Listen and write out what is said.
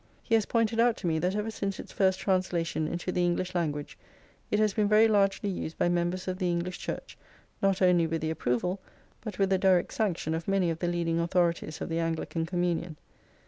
He has pointed out to me that ever since its first translation into the English language, it has been very largely used by members of the English Church, not only with the approval, but with the direct sanction of many of the leading authorities of the Anglican communion.